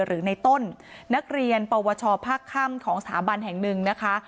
หรือในต้นนักเรียนปวชภาคค่ำของสถาบันแห่งหนึ่งนะคะ